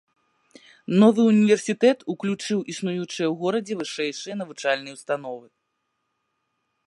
Новы ўніверсітэт уключыў існуючыя ў горадзе вышэйшыя навучальныя ўстановы.